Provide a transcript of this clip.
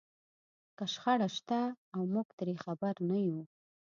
که شخړه شته او موږ ترې خبر نه وو.